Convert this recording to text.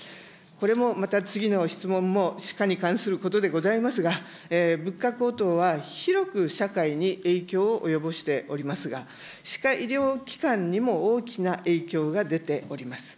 これもまた次の質問も歯科に関することでございますが、物価高騰は広く社会に影響を及ぼしておりますが、歯科医療機関にも大きな影響が出ております。